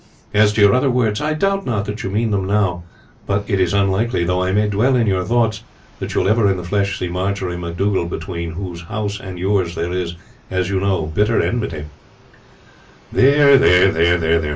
As to your other words, I doubt not that you mean them now; but it is unlikely, though I may dwell in your thoughts, that you will ever in the flesh see Marjory MacDougall, between whose house and yours there is, as you know, bitter enmity." "There! there!"